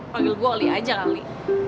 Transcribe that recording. panggil gue ali aja kali